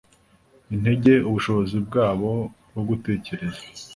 intege ubushobozi bwabo bwo gutekereza